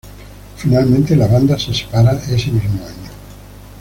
Finalmente, la banda se separa ese mismo año.